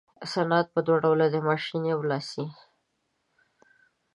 صنعت په دوه ډوله دی ماشیني او لاسي.